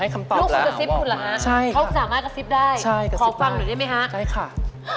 คำตอบว่า